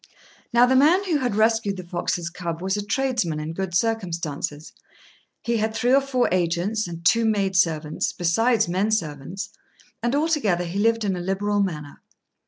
Now the man who had rescued the fox's cub was a tradesman in good circumstances: he had three or four agents and two maid servants, besides men servants; and altogether he lived in a liberal manner.